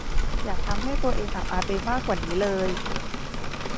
อย่าทำให้ตัวเองอับอายไปมากกว่านี้เลย